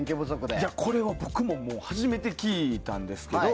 これは僕も初めて聞いたんですけど。